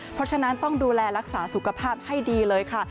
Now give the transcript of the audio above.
เพราะฉะนั้นต้องดูแลรักษาสุขภาพให้ดีเลยค่ะ